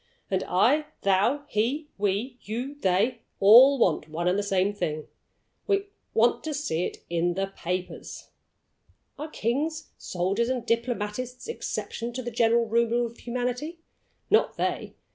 And I, thou, he; we, you, they, all want one and the same thing we want to see it in the papers. Are kings, soldiers, and diplomatists exceptions to the general rule of humanity? Not they!